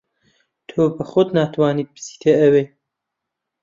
تۆ بە خۆت ناتوانیت بچیتە ئەوێ.